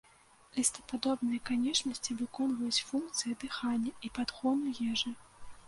Лістападобныя канечнасці выконваюць функцыі дыхання і падгону ежы.